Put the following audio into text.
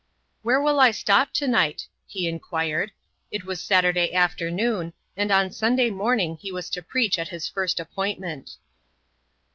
"Where will I stop to night?" he inquired. It was Saturday afternoon, and on Sunday morning he was to preach at his first appointment.